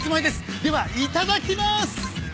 ではいただきます。